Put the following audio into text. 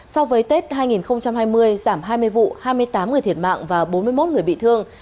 so với tết hai nghìn hai mươi giảm hai mươi vụ hai mươi tám người thiệt mạng và bốn mươi một người bị thương